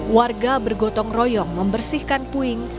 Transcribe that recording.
warga bergotong royong membersihkan puing